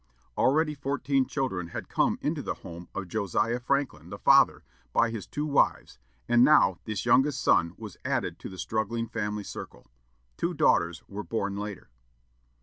Already fourteen children had come into the home of Josiah Franklin, the father, by his two wives, and now this youngest son was added to the struggling family circle. Two daughters were born later.